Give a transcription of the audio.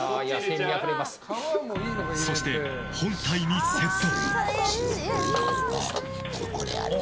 そして本体にセット。